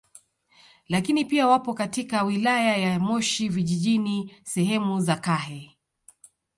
Lakini pia wapo katika wilaya ya Moshi Vijijini sehemu za Kahe